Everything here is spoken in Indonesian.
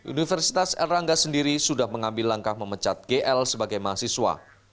universitas erlangga sendiri sudah mengambil langkah memecat gl sebagai mahasiswa